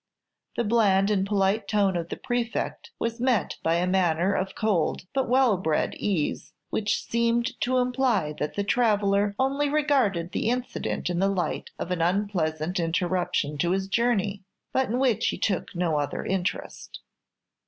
The bland and polite tone of the Prefect was met by a manner of cold but well bred ease which seemed to imply that the traveller only regarded the incident in the light of an unpleasant interruption to his journey, but in which he took no other interest.